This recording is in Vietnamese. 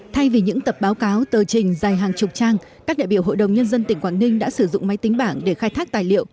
thay vì những tập báo cáo tờ trình dài hàng chục trang các đại biểu hội đồng nhân dân tỉnh quảng ninh đã sử dụng máy tính bảng để khai thác tài liệu